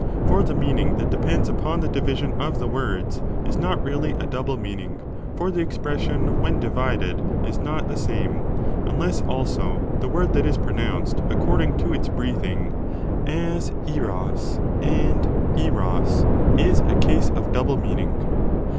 For the meaning that depends upon the division of the words is not really a double meaning (for the expression when divided is not the same), 1 unless also the word that is pronounced, accord ing to its breathing, as opoy and 6 po? is a case of double meaning.